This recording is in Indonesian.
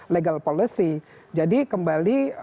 legal policy jadi kembali